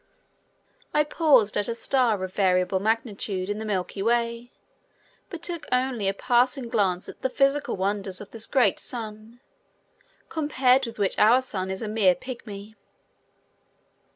I paused at a star of variable magnitude in the Milky Way, but took only a passing glance at the physical wonders of this great sun, compared with which our own Sun is a mere pigmy.